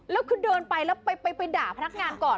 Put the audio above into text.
แล้วคือเดินไปแล้วไปด่าพนักงานก่อน